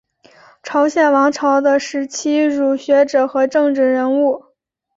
朝鲜王朝的时期儒学者和政治人物。